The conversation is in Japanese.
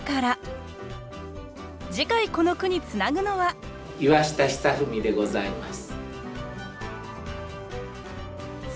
次回この句につなぐのは岩下尚史でございます。